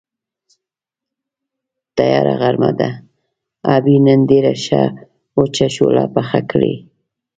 تیاره غرمه ده، ابۍ نن ډېره ښه وچه شوتله پخه کړې.